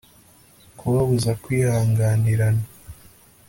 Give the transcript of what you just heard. kubabuza kwihanganirana